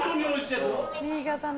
新潟の。